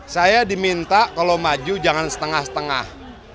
saya diminta kalau maju jangan setengah setengah